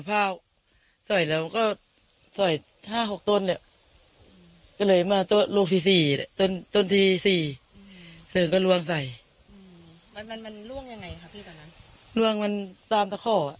พอโดนแล้วก็ยังส่อยต่อ